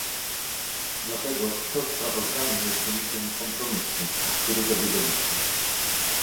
Dlatego to sprawozdanie jest wynikiem kompromisu, o który zabiegaliśmy